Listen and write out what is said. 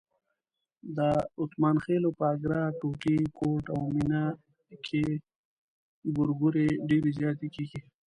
د اتمانخېلو په اګره، ټوټی، کوټ او مېنه کې ګورګورې ډېرې زیاتې کېږي.